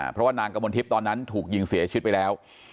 เพราะว่านางกมลทิพย์ตอนนั้นถูกยิงเสียชีวิตไปแล้ว